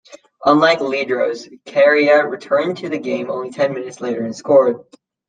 Unlike Lindros, Kariya returned to the game only ten minutes later and scored.